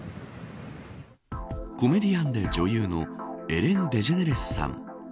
コメディアンで、女優のエレン・デジェネレスさん。